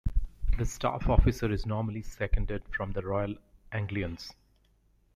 The staff officer is normally seconded from the Royal Anglians.